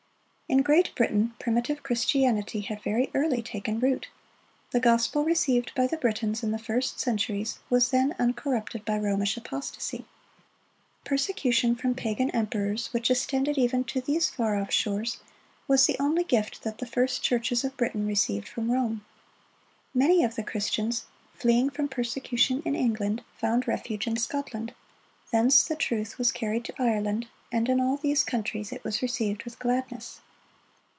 In Great Britain, primitive Christianity had very early taken root. The gospel received by the Britons in the first centuries, was then uncorrupted by Romish apostasy. Persecution from pagan emperors, which extended even to these far off shores, was the only gift that the first churches of Britain received from Rome. Many of the Christians, fleeing from persecution in England, found refuge in Scotland; thence the truth was carried to Ireland, and in all these countries it was received with gladness.